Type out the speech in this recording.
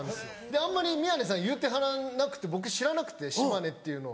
あんまり宮根さん言うてはらなくて僕知らなくて島根っていうのを。